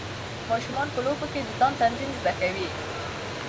ماشومان په لوبو کې د ځان تنظیم زده کوي.